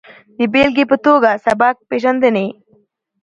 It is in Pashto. د بېلګې په ټوګه سبک پېژندنې